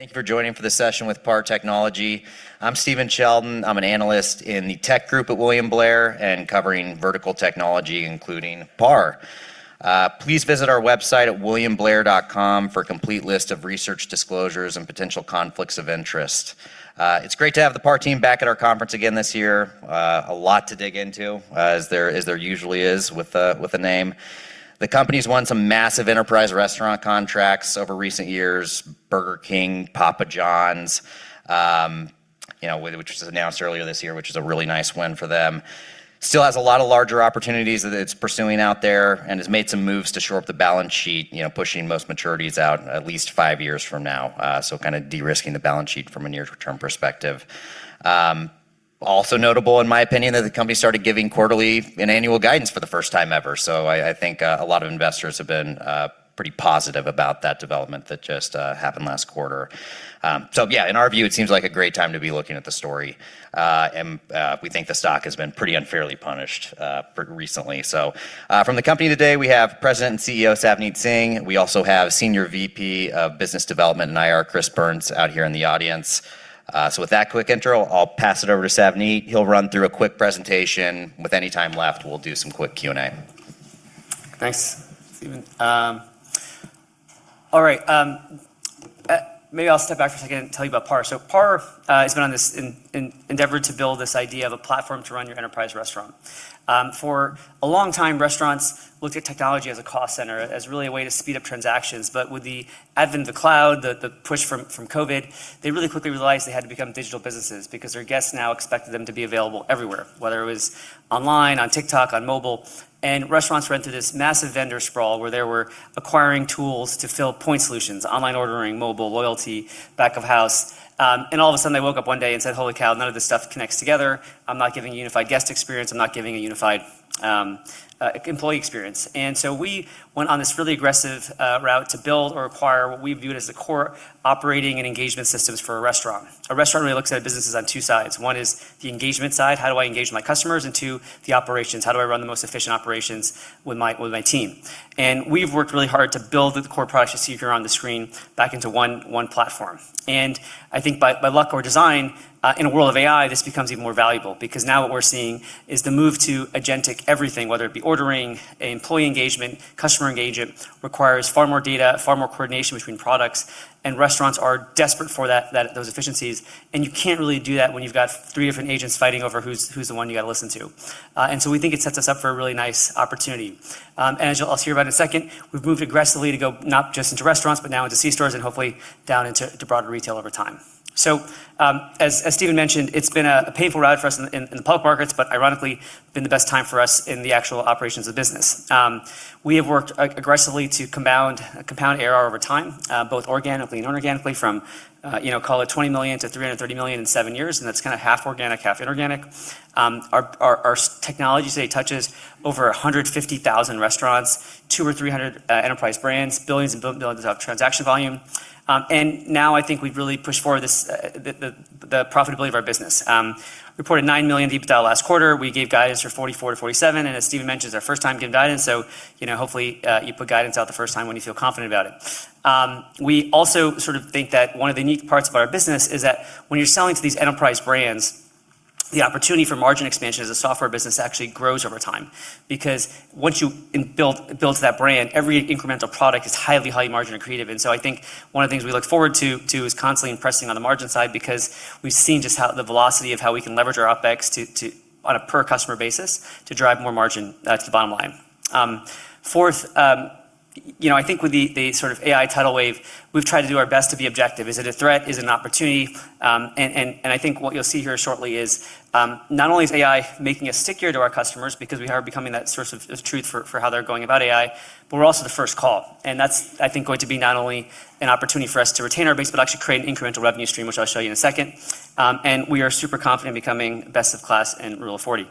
Thank you for joining for this session with PAR Technology. I'm Stephen Sheldon. I'm an analyst in the tech group at William Blair and covering vertical technology, including PAR. Please visit our website at williamblair.com for a complete list of research disclosures and potential conflicts of interest. It's great to have the PAR team back at our conference again this year. A lot to dig into, as there usually is with the name. The company's won some massive enterprise restaurant contracts over recent years, Burger King, Papa Johns, which was announced earlier this year, which is a really nice win for them. Still has a lot of larger opportunities that it's pursuing out there and has made some moves to shore up the balance sheet, pushing most maturities out at least five years from now, kind of de-risking the balance sheet from a near-term perspective. Also notable in my opinion, that the company started giving quarterly and annual guidance for the first time ever. I think a lot of investors have been pretty positive about that development that just happened last quarter. In our view, it seems like a great time to be looking at the story. We think the stock has been pretty unfairly punished recently. From the company today, we have President and CEO Savneet Singh. We also have Senior VP of Business Development and IR, Chris Byrnes, out here in the audience. With that quick intro, I'll pass it over to Savneet. He'll run through a quick presentation. With any time left, we'll do some quick Q&A. Thanks, Stephen. All right. Maybe I'll step back for a second and tell you about PAR. PAR has been on this endeavor to build this idea of a platform to run your enterprise restaurant. For a long time, restaurants looked at technology as a cost center, as really a way to speed up transactions. With the advent of the cloud, the push from COVID, they really quickly realized they had to become digital businesses because their guests now expected them to be available everywhere, whether it was online, on TikTok, on mobile. Restaurants were into this massive vendor sprawl where they were acquiring tools to fill point solutions, online ordering, mobile loyalty, back of house. All of a sudden, they woke up one day and said, "Holy cow. None of this stuff connects together. I'm not giving a unified guest experience. I'm not giving a unified employee experience." We went on this really aggressive route to build or acquire what we viewed as the core operating and engagement systems for a restaurant. A restaurant really looks at businesses on two sides. One is the engagement side, how do I engage my customers? Two, the operations, how do I run the most efficient operations with my team? We've worked really hard to build the core products you see here on the screen back into one platform. I think by luck or design, in a world of AI, this becomes even more valuable because now what we're seeing is the move to agentic everything, whether it be ordering, employee engagement, customer engagement, requires far more data, far more coordination between products, and restaurants are desperate for those efficiencies. You can't really do that when you've got three different agents fighting over who's the one you got to listen to. We think it sets us up for a really nice opportunity. As you'll also hear about in a second, we've moved aggressively to go not just into restaurants, but now into C-stores and hopefully down into broader retail over time. As Stephen mentioned, it's been a painful ride for us in the public markets, but ironically, been the best time for us in the actual operations of the business. We have worked aggressively to compound ARR over time, both organically and inorganically, from call it $20 million-$330 million in seven years, and that's kind of half organic, half inorganic. Our technology today touches over 150,000 restaurants, 200 or 300 enterprise brands, billions and billions of transaction volume. Now I think we've really pushed forward the profitability of our business. Reported $9 million EBITDA last quarter. We gave guidance for $44 million-$47 million, and as Stephen mentioned, it's our first time giving guidance, so hopefully you put guidance out the first time when you feel confident about it. We also think that one of the unique parts of our business is that when you're selling to these enterprise brands, the opportunity for margin expansion as a software business actually grows over time because once you build to that brand, every incremental product is highly margin accretive. So I think one of the things we look forward to is constantly impressing on the margin side because we've seen just how the velocity of how we can leverage our OpEx on a per customer basis to drive more margin to the bottom line. Fourth, I think with the AI tidal wave, we've tried to do our best to be objective. Is it a threat? Is it an opportunity? I think what you'll see here shortly is, not only is AI making us stickier to our customers because we are becoming that source of truth for how they're going about AI, but we're also the first call. That's, I think, going to be not only an opportunity for us to retain our base, but actually create an incremental revenue stream, which I'll show you in a second. We are super confident becoming best in class in Rule of 40.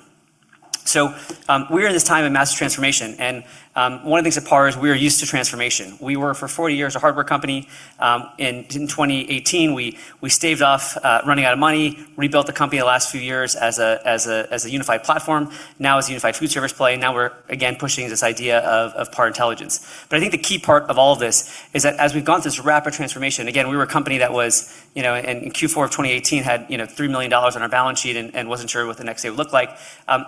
We're in this time of massive transformation, and one of the things at PAR is we are used to transformation. We were for 40 years a hardware company. In 2018, we staved off running out of money, rebuilt the company the last few years as a unified platform. Now as a unified food service play, now we're again pushing this idea of PAR Intelligence. I think the key part of all of this is that as we've gone through this rapid transformation, again, we were a company that in Q4 of 2018 had $3 million on our balance sheet and wasn't sure what the next day would look like.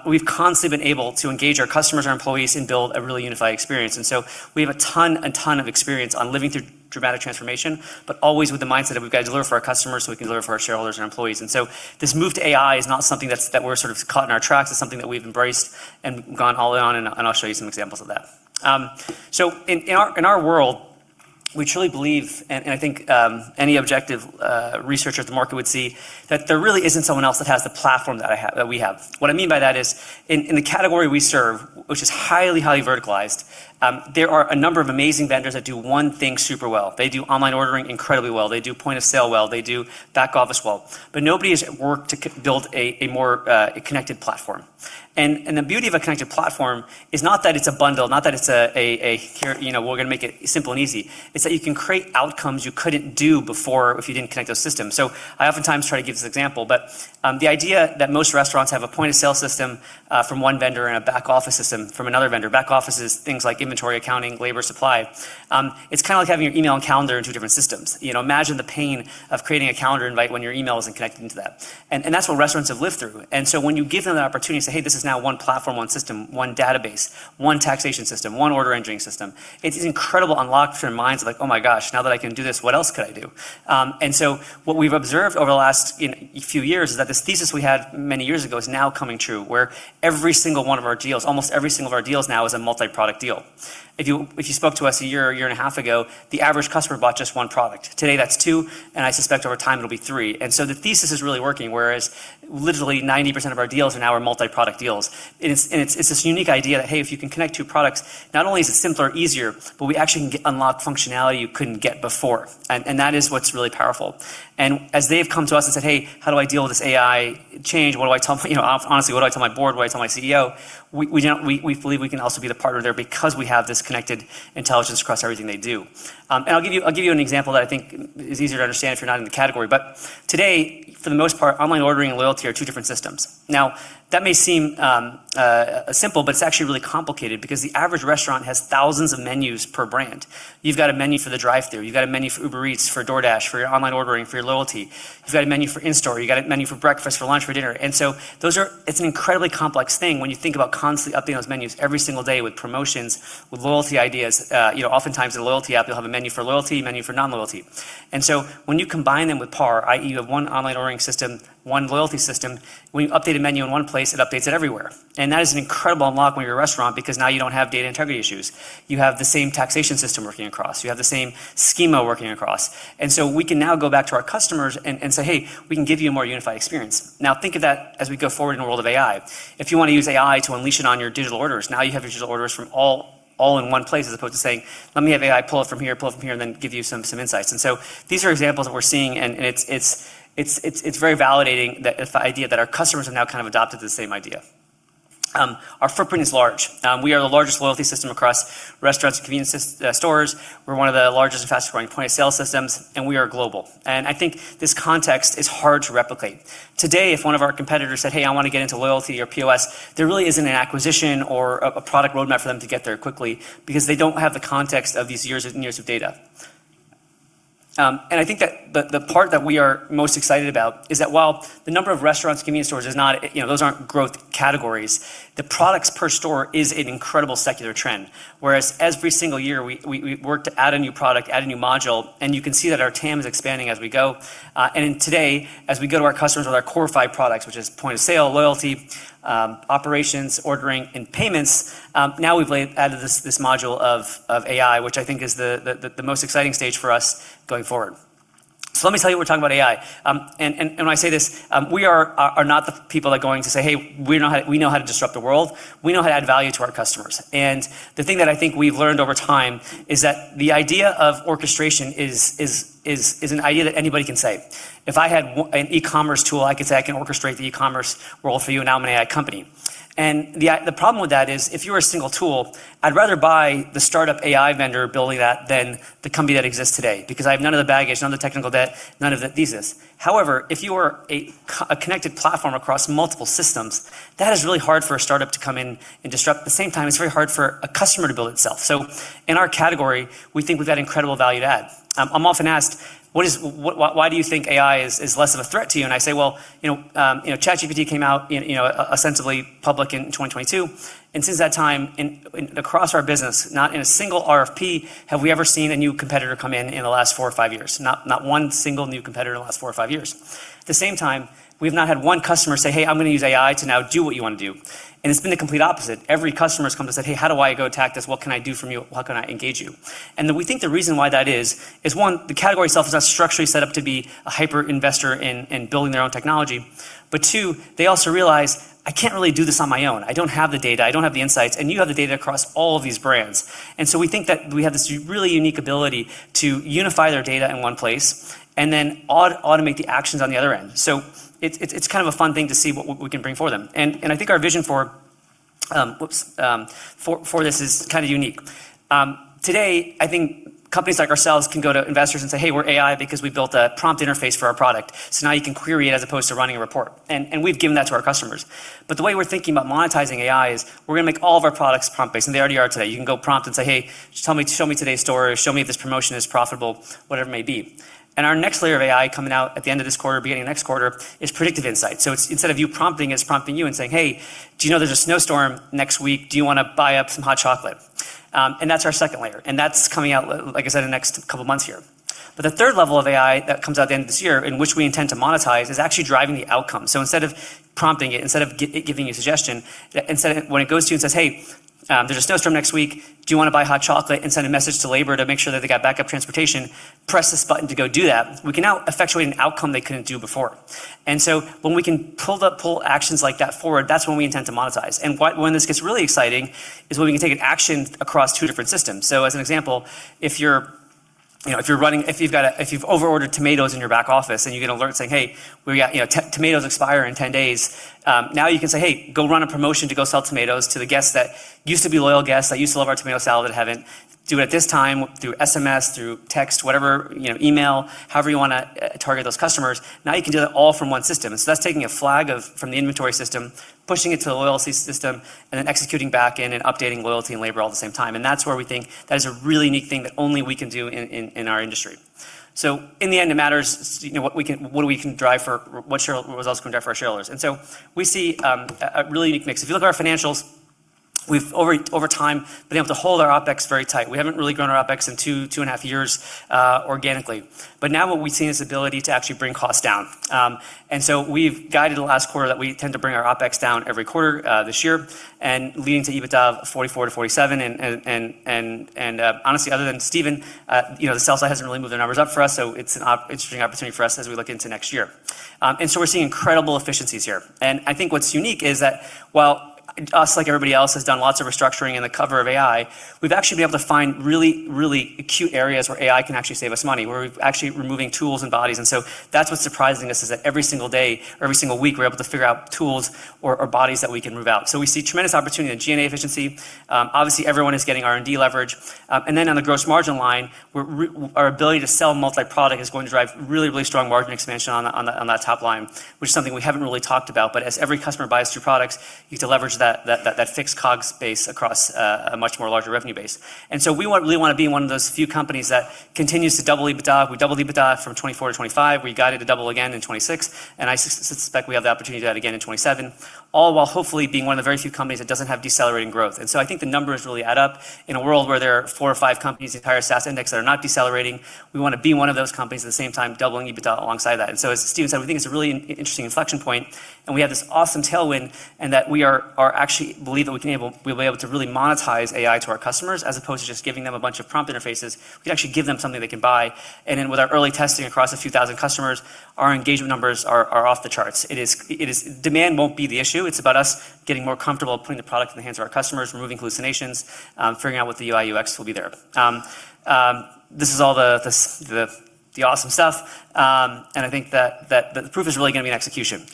We've constantly been able to engage our customers, our employees, and build a really unified experience. We have a ton of experience on living through dramatic transformation, but always with the mindset of we've got to deliver for our customers so we can deliver for our shareholders and employees. This move to AI is not something that we're sort of caught in our tracks. It's something that we've embraced and gone all in on, and I'll show you some examples of that. In our world, we truly believe, and I think any objective researcher at the market would see, that there really isn't someone else that has the platform that we have. What I mean by that is in the category we serve, which is highly verticalized, there are a number of amazing vendors that do one thing super well. They do online ordering incredibly well. They do point-of-sale well. They do back office well. Nobody has worked to build a more connected platform. The beauty of a connected platform is not that it's a bundle, not that it's a, "Here, we're going to make it simple and easy." It's that you can create outcomes you couldn't do before if you didn't connect those systems. I oftentimes try to give this example, but the idea that most restaurants have a point-of-sale system from one vendor and a back-office system from another vendor, back office is things like inventory accounting, labor supply, it's like having your email and calendar in two different systems. Imagine the pain of creating a calendar invite when your email isn't connecting to that. That's what restaurants have lived through. When you give them that opportunity to say, "Hey, this is now one platform, one system, one database, one taxation system, one order-entering system," it's an incredible unlock for their minds of like, "Oh, my gosh. Now that I can do this, what else could I do?" What we've observed over the last few years is that this thesis we had many years ago is now coming true, where every single one of our deals, almost every single of our deals now is a multi-product deal. If you spoke to us a year and a half ago, the average customer bought just one product. Today, that's two, and I suspect over time it'll be three. The thesis is really working, whereas literally 90% of our deals now are multi-product deals. It's this unique idea that, hey, if you can connect two products, not only is it simpler, easier, but we actually can unlock functionality you couldn't get before. That is what's really powerful. As they've come to us and said, "Hey, how do I deal with this AI change? What do I tell my Honestly, what do I tell my board? What do I tell my CEO?" We believe we can also be the partner there because we have this connected intelligence across everything they do. I'll give you an example that I think is easier to understand if you're not in the category. Today, for the most part, online ordering and loyalty are two different systems. That may seem simple, but it's actually really complicated because the average restaurant has thousands of menus per brand. You've got a menu for the drive-thru, you've got a menu for Uber Eats, for DoorDash, for your online ordering, for your loyalty. You've got a menu for in-store, you got a menu for breakfast, for lunch, for dinner. It's an incredibly complex thing when you think about constantly updating those menus every single day with promotions, with loyalty ideas. Oftentimes in a loyalty app, you'll have a menu for loyalty, a menu for non-loyalty. When you combine them with PAR, i.e. you have one online ordering system, one loyalty system, when you update a menu in one place, it updates it everywhere. That is an incredible unlock when you're a restaurant because now you don't have data integrity issues. You have the same taxation system working across. You have the same schema working across. We can now go back to our customers and say, "Hey, we can give you a more unified experience." Now, think of that as we go forward in the world of AI. If you want to use AI to unleash it on your digital orders, now you have your digital orders from all in one place, as opposed to saying, "Let me have AI pull it from here, pull it from here, and then give you some insights." These are examples that we're seeing, and it's very validating that the idea that our customers have now kind of adopted the same idea. Our footprint is large. We are the largest loyalty system across restaurants and convenience stores. We're one of the largest and fastest-growing point-of-sale systems, and we are global. I think this context is hard to replicate. Today, if one of our competitors said, "Hey, I want to get into loyalty or POS," there really isn't an acquisition or a product roadmap for them to get there quickly because they don't have the context of these years and years of data. I think that the part that we are most excited about is that while the number of restaurants, convenience stores, those aren't growth categories, the products per store is an incredible secular trend. Whereas every single year, we work to add a new product, add a new module, and you can see that our TAM is expanding as we go. Today, as we go to our customers with our core five products, which is point of sale, loyalty, operations, ordering, and payments, now we've added this module of AI, which I think is the most exciting stage for us going forward. Let me tell you what we're talking about AI. When I say this, we are not the people that are going to say, "Hey, we know how to disrupt the world." We know how to add value to our customers. The thing that I think we've learned over time is that the idea of orchestration is an idea that anybody can say. If I had an e-commerce tool, I could say, "I can orchestrate the e-commerce role for you, and now I'm an AI company." The problem with that is if you're a single tool, I'd rather buy the startup AI vendor building that than the company that exists today because I have none of the baggage, none of the technical debt, none of the thesis. If you are a connected platform across multiple systems, that is really hard for a startup to come in and disrupt. At the same time, it's very hard for a customer to build itself. In our category, we think we've had incredible value to add. I'm often asked, "Why do you think AI is less of a threat to you?" I say, "Well, ChatGPT came out ostensibly public in 2022, and since that time across our business, not in a single RFP have we ever seen a new competitor come in in the last four or five years. Not one single new competitor in the last four or five years." At the same time, we've not had one customer say, "Hey, I'm going to use AI to now do what you want to do." It's been the complete opposite. Every customer has come and said, "Hey, how do I go attack this? What can I do from you? How can I engage you?" We think the reason why that is one, the category itself is not structurally set up to be a hyper investor in building their own technology. Two, they also realize, "I can't really do this on my own. I don't have the data. I don't have the insights. You have the data across all of these brands." We think that we have this really unique ability to unify their data in one place and then automate the actions on the other end. It's kind of a fun thing to see what we can bring for them. I think our vision for this is kind of unique. Today, I think companies like ourselves can go to investors and say, "Hey, we're AI because we built a prompt interface for our product, so now you can query it as opposed to running a report." We've given that to our customers. The way we're thinking about monetizing AI is we're going to make all of our products prompt-based, and they already are today. You can go prompt and say, "Hey, show me today's story, show me if this promotion is profitable," whatever it may be. Our next layer of AI coming out at the end of this quarter, beginning of next quarter, is predictive insight. Instead of you prompting, it's prompting you and saying, "Hey, do you know there's a snowstorm next week? Do you want to buy up some hot chocolate? That's our second layer, and that's coming out, like I said, in the next couple of months here. The third level of AI that comes out at the end of this year, and which we intend to monetize, is actually driving the outcome. Instead of prompting it, instead of giving a suggestion, instead when it goes to you and says, "Hey, there's a snowstorm next week. Do you want to buy hot chocolate and send a message to labor to make sure that they got backup transportation? Press this button to go do that," we can now effectuate an outcome they couldn't do before. When we can pull actions like that forward, that's when we intend to monetize. When this gets really exciting is when we can take an action across two different systems. As an example, if you've over-ordered tomatoes in your back office and you get an alert saying, Hey, tomatoes expire in 10 days. You can say, Hey, go run a promotion to go sell tomatoes to the guests that used to be loyal guests, that used to love our tomato salad, that haven't. Do it at this time through SMS, through text, whatever, email, however you want to target those customers. You can do that all from one system. That's taking a flag from the inventory system, pushing it to the loyalty system, then executing back in and updating loyalty and labor all at the same time. That's where we think that is a really neat thing that only we can do in our industry. In the end, it matters what results we can drive for our shareholders. We see a really unique mix. If you look at our financials, we've over time been able to hold our OpEx very tight. We haven't really grown our OpEx in 2.5 years organically. Now what we've seen is the ability to actually bring costs down. We've guided the last quarter that we intend to bring our OpEx down every quarter this year, leading to EBITDA of $44 million-$47 million. Honestly, other than Stephen, the sell side hasn't really moved their numbers up for us, it's an interesting opportunity for us as we look into next year. We're seeing incredible efficiencies here. I think what's unique is that while us, like everybody else, has done lots of restructuring in the cover of AI, we've actually been able to find really, really acute areas where AI can actually save us money, where we're actually removing tools and bodies. That's what's surprising us, is that every single day or every single week, we're able to figure out tools or bodies that we can move out. We see tremendous opportunity in G&A efficiency. Obviously, everyone is getting R&D leverage. On the gross margin line, our ability to sell multi-product is going to drive really, really strong margin expansion on that top line, which is something we haven't really talked about. As every customer buys two products, you get to leverage that fixed COGS base across a much more larger revenue base. We really want to be one of those few companies that continues to double EBITDA. We doubled EBITDA from 2024 to 2025. We guided to double again in 2026, and I suspect we have the opportunity to do that again in 2027, all while hopefully being one of the very few companies that doesn't have decelerating growth. I think the numbers really add up in a world where there are four or five companies in the entire SaaS index that are not decelerating. We want to be one of those companies at the same time doubling EBITDA alongside that. As Stephen said, we think it's a really interesting inflection point, and we have this awesome tailwind and that we actually believe that we'll be able to really monetize AI to our customers, as opposed to just giving them a bunch of prompt interfaces. We can actually give them something they can buy. With our early testing across a few thousand customers, our engagement numbers are off the charts. Demand won't be the issue. It's about us getting more comfortable putting the product in the hands of our customers, removing hallucinations, figuring out what the UI, UX will be there. This is all the awesome stuff. I think that the proof is really going to be in execution.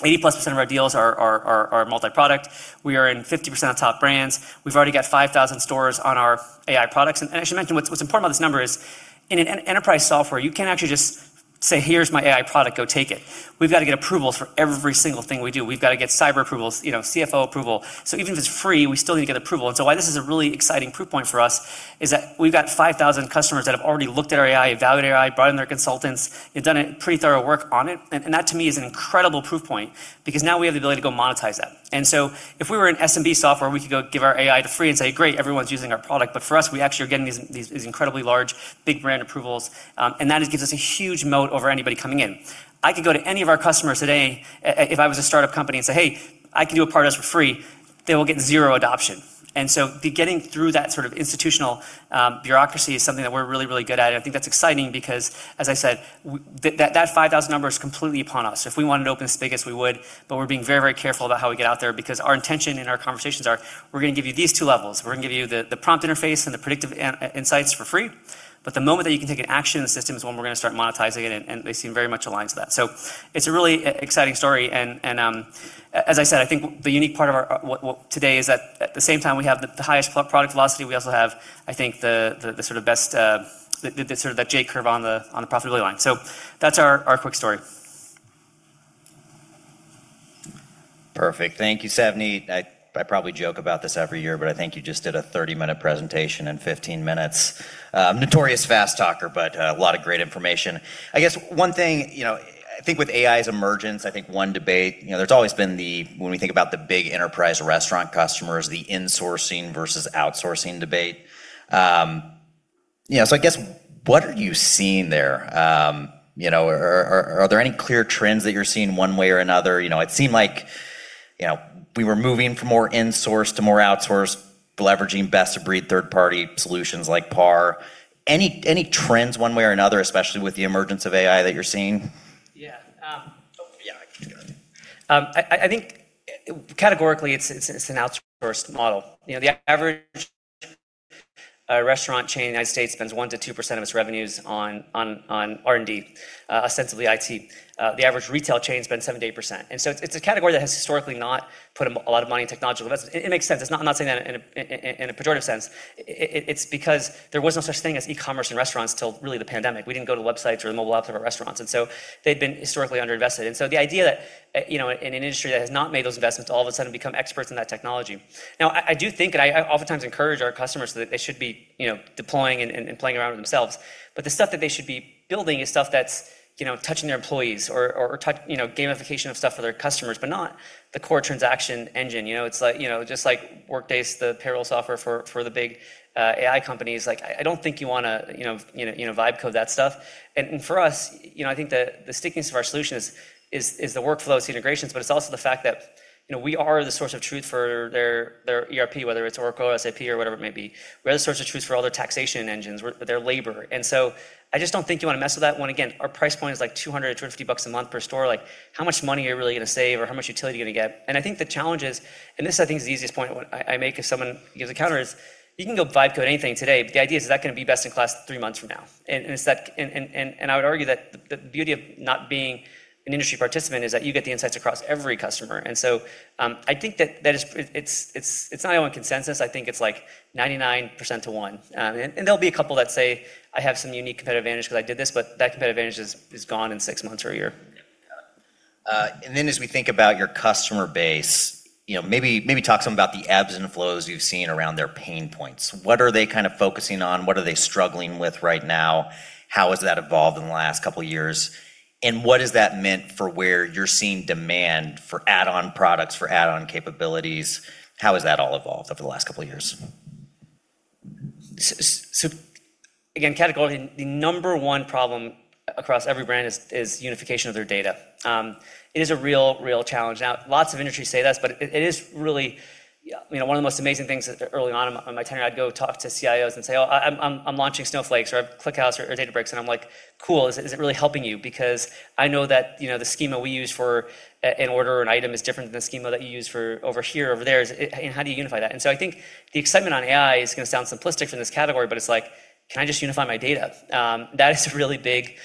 80%+ of our deals are multi-product. We are in 50% of top brands. We've already got 5,000 stores on our AI products. I should mention, what's important about this number is in an enterprise software, you can't actually just say, "Here's my AI product." Go take it. We've got to get approvals for every single thing we do. We've got to get cyber approvals, CFO approval. Even if it's free, we still need to get approval. Why this is a really exciting proof point for us is that we've got 5,000 customers that have already looked at our AI, evaluated our AI, brought in their consultants, and done a pretty thorough work on it. That to me is an incredible proof point, because now we have the ability to go monetize that. If we were an SMB software, we could go give our AI for free and say, "Great, everyone's using our product." For us, we actually are getting these incredibly large, big brand approvals. That just gives us a huge moat over anybody coming in. I could go to any of our customers today, if I was a startup company, and say, "Hey, I can do a part of this for free." They will get zero adoption. Getting through that sort of institutional bureaucracy is something that we're really, really good at. I think that's exciting because, as I said, that 5,000 number is completely upon us. If we wanted to open this big, yes we would, but we're being very, very careful about how we get out there because our intention in our conversations are, we're going to give you these two levels. We're going to give you the prompt interface and the predictive insights for free. The moment that you can take an action in the system is when we're going to start monetizing it, and they seem very much aligned to that. It's a really exciting story, and as I said, I think the unique part of today is that at the same time we have the highest product velocity, we also have, I think, the sort of best, that J curve on the profitability line. That's our quick story. Perfect. Thank you, Savneet. I probably joke about this every year, but I think you just did a 30-minute presentation in 15 minutes. Notorious fast talker, but a lot of great information. I guess one thing, I think with AI's emergence, I think one debate, there's always been the, when we think about the big enterprise restaurant customers, the insourcing versus outsourcing debate. I guess, what are you seeing there? Are there any clear trends that you're seeing one way or another? It seemed like we were moving from more insourced to more outsourced, leveraging best-of-breed third-party solutions like PAR. Any trends one way or another, especially with the emergence of AI that you're seeing? Yeah. I think categorically it's an outsourced model. The average restaurant chain in the U.S. spends 1%-2% of its revenues on R&D, ostensibly IT. The average retail chain spends 7%-8%. It's a category that has historically not put a lot of money in technological investments. It makes sense. I'm not saying that in a pejorative sense. It's because there was no such thing as e-commerce in restaurants till really the pandemic. We didn't go to websites or mobile apps of our restaurants. They've been historically under-invested. The idea that in an industry that has not made those investments all of a sudden become experts in that technology. I do think, and I oftentimes encourage our customers that they should be deploying and playing around with it themselves, but the stuff that they should be building is stuff that's touching their employees or gamification of stuff for their customers, but not the core transaction engine. It's just like Workday's the payroll software for the big AI companies. I don't think you want to vibe code that stuff. For us, I think the stickiness of our solution is the workflows, the integrations, but it's also the fact that we are the source of truth for their ERP, whether it's Oracle, SAP or whatever it may be. We are the source of truth for all their taxation engines, their labor. I just don't think you want to mess with that one. Again, our price point is like $200-$250 a month per store. How much money are you really going to save or how much utility are you going to get? I think the challenge is, and this I think is the easiest point I make if someone gives a counter, is you can go write code anything today, but the idea is that going to be best in class three months from now? I would argue that the beauty of not being an industry participant is that you get the insights across every customer. I think that it's not my own consensus, I think it's like 99% to one. There'll be a couple that say, "I have some unique competitive advantage because I did this," but that competitive advantage is gone in six months or a year. Yeah. As we think about your customer base, maybe talk some about the ebbs and flows you've seen around their pain points. What are they focusing on? What are they struggling with right now? How has that evolved in the last couple of years? What has that meant for where you're seeing demand for add-on products, for add-on capabilities? How has that all evolved over the last couple of years? Again, categorically, the number one problem across every brand is unification of their data. It is a real challenge. Lots of industries say this, but it is really one of the most amazing things. Early on in my tenure, I'd go talk to CIOs and say, "Oh, I'm launching Snowflake or ClickHouse or Databricks." I'm like, "Cool. Is it really helping you? Because I know that the schema we use for an order or an item is different than the schema that you use for over here or over there, and how do you unify that?" I think the excitement on AI is going to sound simplistic for this category, but it's like, "Can I just unify my data?" That is a really big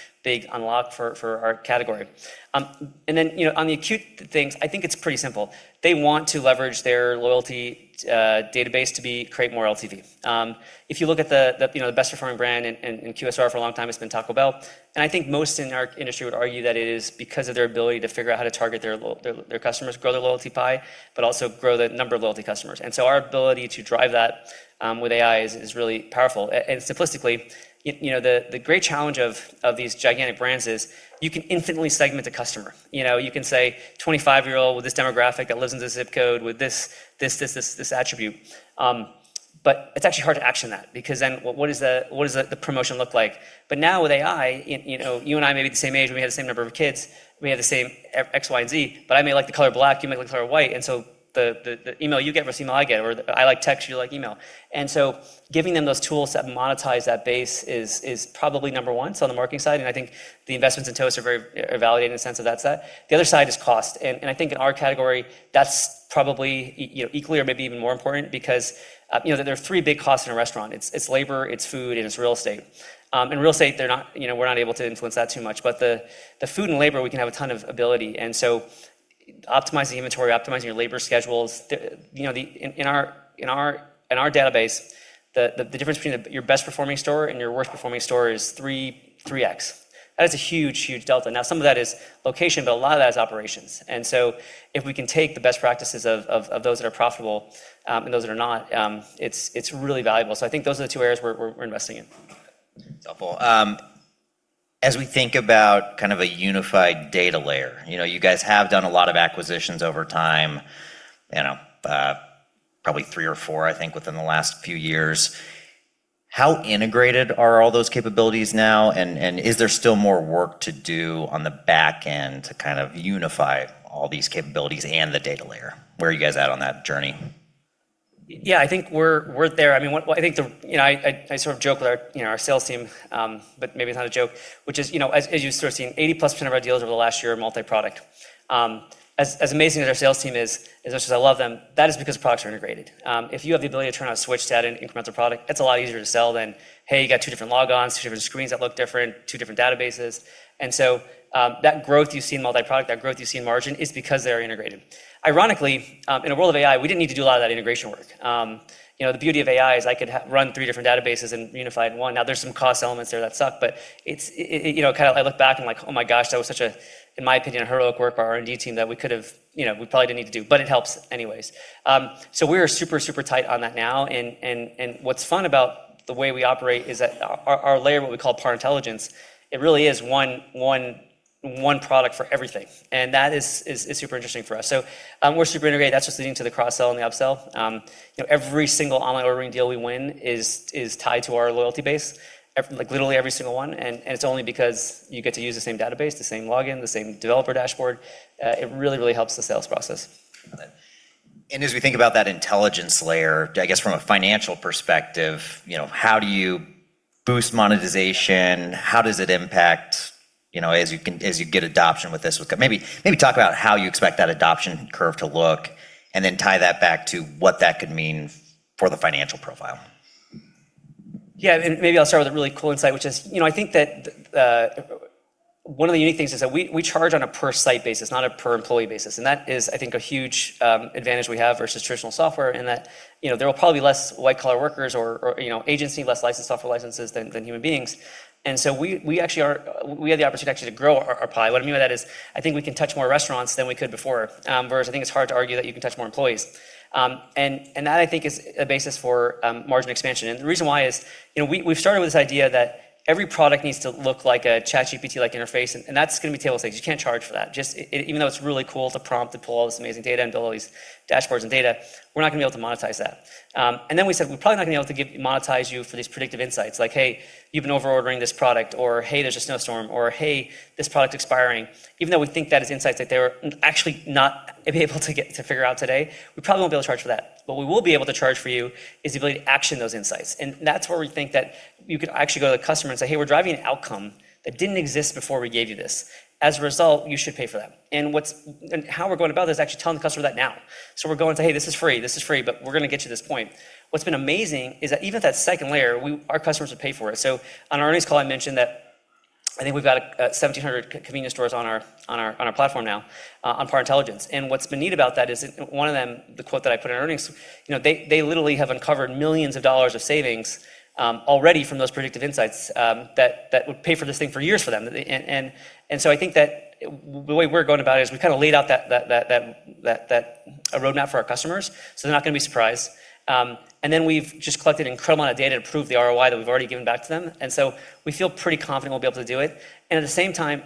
unlock for our category. On the acute things, I think it's pretty simple. They want to leverage their loyalty database to create more LTV. If you look at the best-performing brand in QSR, for a long time it's been Taco Bell, and I think most in our industry would argue that it is because of their ability to figure out how to target their customers, grow their loyalty pie, but also grow the number of loyalty customers. Our ability to drive that with AI is really powerful. Simplistically, the great challenge of these gigantic brands is you can infinitely segment the customer. You can say 25-year-old with this demographic that lives in this ZIP code with this attribute. It's actually hard to action that because then what does the promotion look like? Now with AI, you and I may be the same age and we have the same number of kids, we have the same X, Y, and Z, but I may like the color black, you may like the color white. The email you get versus the email I get, or I like text, you like email. Giving them those tools that monetize that base is probably number one. On the marketing side, I think the investments in Toast are very valid in the sense of that set. The other side is cost. I think in our category, that's probably equally or maybe even more important because there are three big costs in a restaurant. It's labor, it's food, and it's real estate. Real estate, we're not able to influence that too much. The food and labor, we can have a ton of ability, and so optimizing inventory, optimizing your labor schedules. In our database, the difference between your best-performing store and your worst-performing store is 3x. That is a huge delta. Now some of that is location, but a lot of that is operations. If we can take the best practices of those that are profitable and those that are not, it's really valuable. I think those are the two areas we're investing in. Wonderful. As we think about a unified data layer, you guys have done a lot of acquisitions over time, probably three or four, I think, within the last few years. How integrated are all those capabilities now, and is there still more work to do on the back end to unify all these capabilities and the data layer? Where are you guys at on that journey? Yeah, I think we're there. I sort of joke with our sales team, but maybe it's not a joke, which is, as you've sort of seen, 80%+ of our deals over the last year are multi-product. As amazing as our sales team is, as much as I love them, that is because products are integrated. If you have the ability to turn on a switch to add an incremental product, that's a lot easier to sell than, "Hey, you got two different logons, two different screens that look different, two different databases." That growth you see in multi-product, that growth you see in margin, is because they're integrated. Ironically, in a world of AI, we didn't need to do a lot of that integration work. The beauty of AI is I could run three different databases and unify in one. There's some cost elements there that suck, but I look back and like, "Oh my gosh, that was such a," in my opinion, "heroic work by our R&D team that we probably didn't need to do," but it helps anyways. We are super tight on that now, and what's fun about the way we operate is that our layer, what we call PAR Intelligence, it really is one product for everything, and that is super interesting for us. We're super integrated. That's just leading to the cross-sell and the up-sell. Every single online ordering deal we win is tied to our loyalty base, literally every single one, and it's only because you get to use the same database, the same login, the same developer dashboard. It really helps the sales process. As we think about that intelligence layer, I guess from a financial perspective, how do you boost monetization, how does it impact as you get adoption with this? Maybe talk about how you expect that adoption curve to look and then tie that back to what that could mean for the financial profile. Yeah, maybe I'll start with a really cool insight, which is, I think that one of the unique things is that we charge on a per site basis, not a per employee basis. That is, I think, a huge advantage we have versus traditional software in that there will probably be less white-collar workers or agency, less license software licenses than human beings. We had the opportunity actually to grow our pie. What I mean by that is, I think we can touch more restaurants than we could before. Whereas I think it's hard to argue that you can touch more employees. That I think is a basis for margin expansion. The reason why is, we've started with this idea that every product needs to look like a ChatGPT-like interface, and that's going to be table stakes. You can't charge for that. Even though it's really cool with a prompt to pull all this amazing data and build all these dashboards and data, we're not going to be able to monetize that. We said, we're probably not going to be able to monetize you for these predictive insights. Like, hey, you've been over-ordering this product, or hey, there's a snowstorm, or hey, this product expiring. Even though we think that is insights that they were actually not able to get to figure out today, we probably won't be able to charge for that. We will be able to charge for you is the ability to action those insights, and that's where we think that you could actually go to the customer and say, "Hey, we're driving an outcome that didn't exist before we gave you this. As a result, you should pay for that." How we're going about this is actually telling the customer that now. We're going to say, "Hey, this is free, but we're going to get to this point." What's been amazing is that even at that second layer, our customers would pay for it. On our earnings call, I mentioned that I think we've got 1,700 convenience stores on our platform now on PAR Intelligence. What's been neat about that is one of them, the quote that I put in earnings, they literally have uncovered millions of dollars of savings already from those predictive insights that would pay for this thing for years for them. I think that the way we're going about it is we've kind of laid out that roadmap for our customers, so they're not going to be surprised. We've just collected an incredible amount of data to prove the ROI that we've already given back to them. We feel pretty confident we'll be able to do it. At the same time,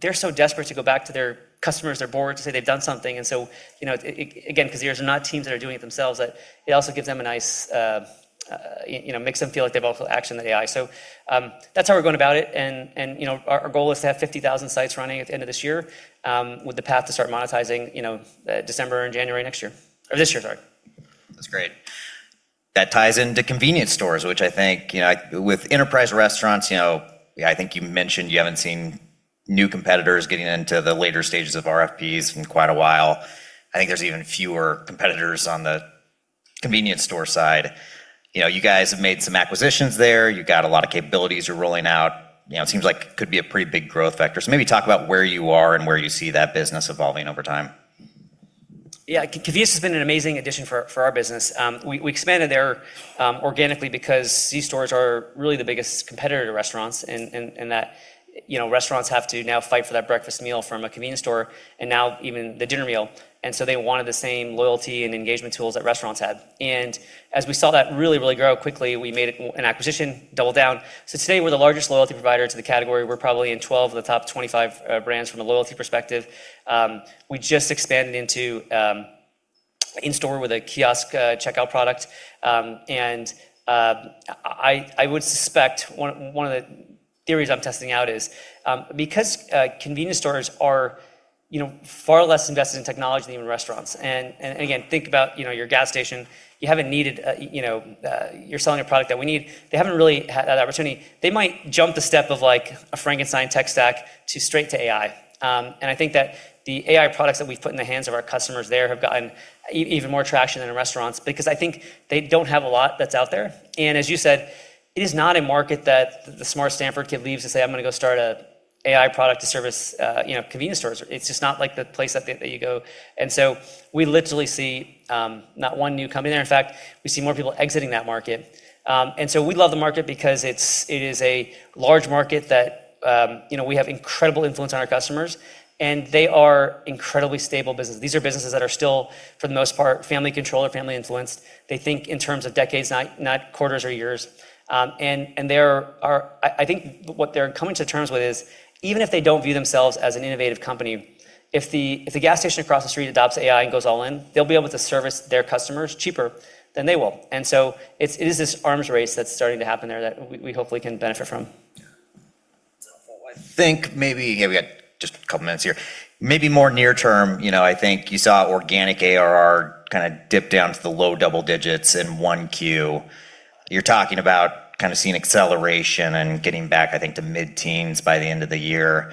they're so desperate to go back to their customers. They're bored to say they've done something. Again, because these are not teams that are doing it themselves, it makes them feel like they've also actioned the AI. That's how we're going about it. Our goal is to have 50,000 sites running at the end of this year with the path to start monetizing December and January next year. This year, sorry. That's great. That ties into convenience stores, which I think with enterprise restaurants, I think you mentioned you haven't seen new competitors getting into the later stages of RFPs in quite a while. I think there's even fewer competitors on the convenience store side. You guys have made some acquisitions there. You've got a lot of capabilities you're rolling out. It seems like it could be a pretty big growth vector. Maybe talk about where you are and where you see that business evolving over time. Yeah, convenience has been an amazing addition for our business. We expanded there organically because these stores are really the biggest competitor to restaurants, and that restaurants have to now fight for that breakfast meal from a convenience store and now even the dinner meal. They wanted the same loyalty and engagement tools that restaurants had. As we saw that really grow quickly, we made it an acquisition, doubled down. Today, we're the largest loyalty provider to the category. We're probably in 12 of the top 25 brands from a loyalty perspective. We just expanded into in-store with a kiosk checkout product. I would suspect one of the theories I'm testing out is because convenience stores are far less invested in technology than even restaurants. Again, think about your gas station. You're selling a product that we need. They haven't really had that opportunity. They might jump the step of a Frankenstein tech stack to straight to AI. I think that the AI products that we've put in the hands of our customers there have gotten even more traction than in restaurants because I think they don't have a lot that's out there. As you said, it is not a market that the smart Stanford kid leaves to say, "I'm going to go start a AI product to service convenience stores." It's just not the place that you go. We literally see not one new company there. In fact, we see more people exiting that market. We love the market because it is a large market that we have incredible influence on our customers, and they are incredibly stable businesses. These are businesses that are still, for the most part, family-controlled or family-influenced. They think in terms of decades, not quarters or years. I think what they're coming to terms with is even if they don't view themselves as an innovative company, if the gas station across the street adopts AI and goes all in, they'll be able to service their customers cheaper than they will. It is this arms race that's starting to happen there that we hopefully can benefit from. I think maybe, we got just a couple of minutes here. Maybe more near term, I think you saw organic ARR kind of dip down to the low double digits in 1Q. You're talking about kind of seeing acceleration and getting back, I think, to mid-teens by the end of the year.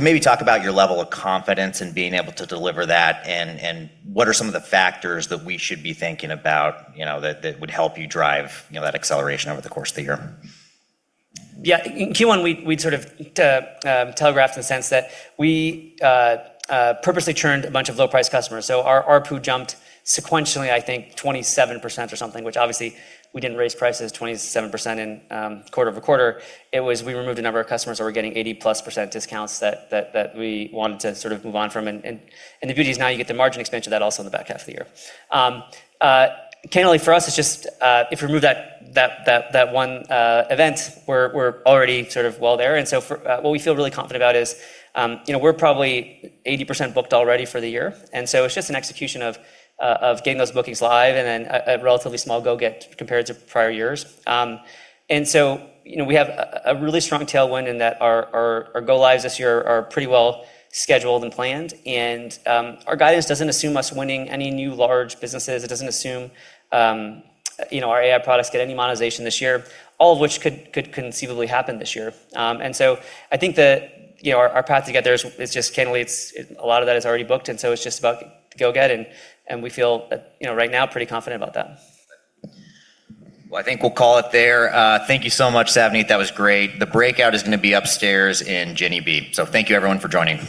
Maybe talk about your level of confidence in being able to deliver that and what are some of the factors that we should be thinking about that would help you drive that acceleration over the course of the year? In Q1, we sort of telegraphed in the sense that we purposely churned a bunch of low-price customers. Our ARPU jumped sequentially, I think 27% or something, which obviously we didn't raise prices 27% in quarter-over-quarter. It was we removed a number of customers that were getting 80-plus% discounts that we wanted to sort of move on from. The beauty is now you get the margin expansion of that also in the back half of the year. Candidly for us, if we remove that one event, we're already sort of well there. What we feel really confident about is we're probably 80% booked already for the year, it's just an execution of getting those bookings live and then a relatively small go get compared to prior years. We have a really strong tailwind in that our go lives this year are pretty well scheduled and planned. Our guidance doesn't assume us winning any new large businesses. It doesn't assume our AI products get any monetization this year, all of which could conceivably happen this year. I think that our path to get there is just candidly, a lot of that is already booked, and so it's just about go get it, and we feel right now pretty confident about that. I think we'll call it there. Thank you so much, Savneet. That was great. The breakout is going to be upstairs in Jenny B. Thank you everyone for joining.